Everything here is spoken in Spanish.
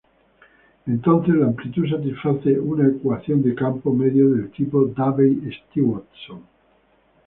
Entonces la amplitud satisface una ecuación de campo medio del tipo Davey-Stewartson.